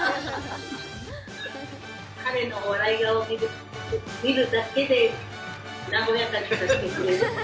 彼の笑い顔を見るだけで、和やかにしてくれる。